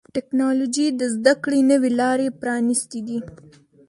ټکنالوجي د زدهکړې نوي لارې پرانستې دي.